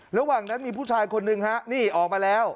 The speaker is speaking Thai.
ระหว่างนั้นมีผู้ชายคนหนึ่งฮะนี่ออกมาแล้ว